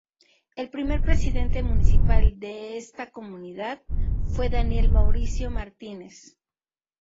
El primer presidente municipal de este comunidad fue Daniel Mauricio Martínez.